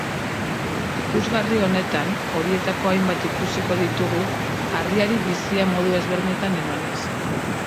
Ikusgarri honetan horietako hainbat ikusiko ditugu harriari bizia modu ezberdinetan emanez.